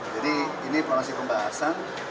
jadi ini polasi pembahasan